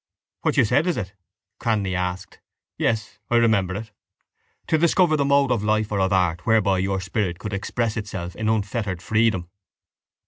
—What you said, is it? Cranly asked. Yes, I remember it. To discover the mode of life or of art whereby your spirit could express itself in unfettered freedom.